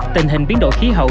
tình hình biến đổi khí hậu